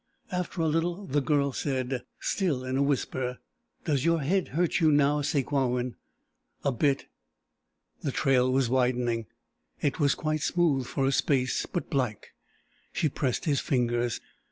After a little the Girl said, still in a whisper: "Does your head hurt you now, Sakewawin?" "A bit." The trail was widening. It was quite smooth for a space, but black. She pressed his fingers.